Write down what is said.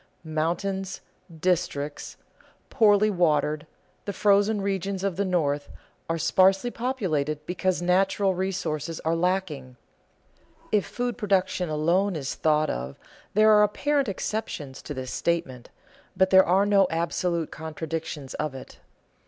Mountains, districts poorly watered, the frozen regions of the North, are sparsely populated because natural resources are lacking. If food production alone is thought of there are apparent exceptions to this statement, but there are no absolute contradictions of it.